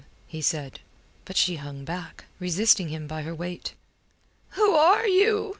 he said. But she hung back, resisting him by her weight. "Who are you?"